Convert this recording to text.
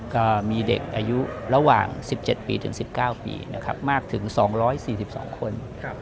ก็มีเด็กอายุระหว่าง๑๗๑๙ปีมากถึง๒๔๒คน